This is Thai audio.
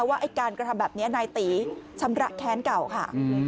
ว่าไอ้การกระทำแบบนี้นายตีชำระแค้นเก่าค่ะ